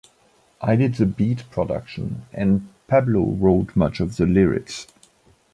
I did the beat production and Pablo wrote much of the lyrics.